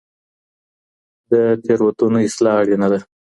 د تیروتنو اصلاح اړینه ده.